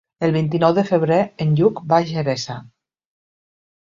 El vint-i-nou de febrer en Lluc va a Xeresa.